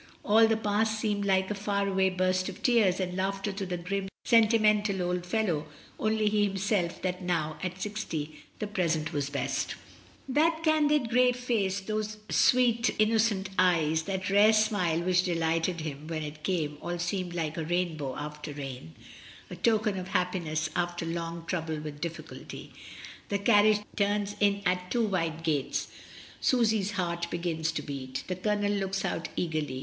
All the past seemed like a far away burst of tears and laughter to the grim senti mental old fellow, only he told himself that now at sixty the present was best That candid, grave face, those sweet innocent eyes, that rare smile which delighted him when it came, all seemed like a rainbow after rain, a token of happiness after long trouble and difficulty. The carriage turns in at two wide gates; Susy's heart begins to beat. The Colonel looks out eagerly.